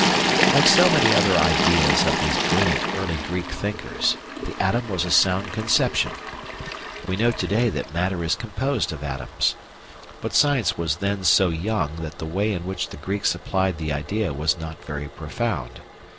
Like so many other ideas of these brilliant early Greek thinkers, the atom was a sound conception. We know to day that matter is composed of atoms. But science was then so young that the way in which the Greeks applied the idea was not very profound.